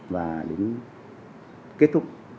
và đến kết thúc